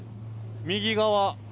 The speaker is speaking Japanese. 右側。